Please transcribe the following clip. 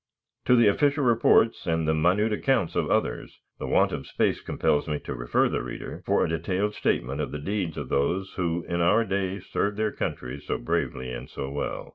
To the official reports and the minute accounts of others, the want of space compels me to refer the reader for a detailed statement of the deeds of those who in our day served their country so bravely and so well.